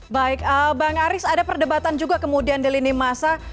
baik bang aris ada perdebatan juga kemudian di lini masa